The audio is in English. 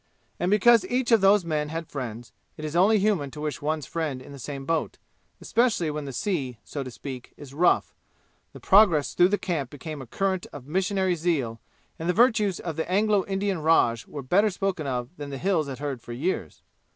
And because each of those men had friends, and it is only human to wish one's friend in the same boat, especially when the sea, so to speak, is rough, the progress through the camp became a current of missionary zeal and the virtues of the Anglo Indian raj were better spoken of than the "Hills" had heard for years.